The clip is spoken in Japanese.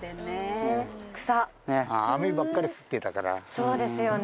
そうですよね。